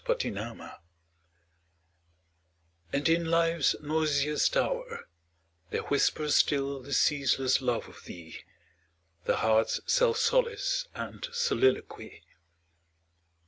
25 And in Life's noisiest hour There whispers still the ceaseless love of thee, The heart's self solace } and soliloquy.